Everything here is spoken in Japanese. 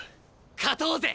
勝とうぜ！